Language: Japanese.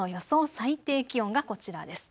最低気温がこちらです。